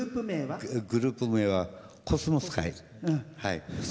グループ名はコスモス会。